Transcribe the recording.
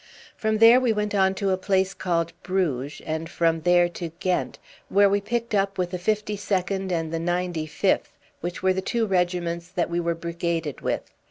From there we went on to a place called Bruges; and from there to Ghent, where we picked up with the 52nd and the 95th, which were the two regiments that we were brigaded with.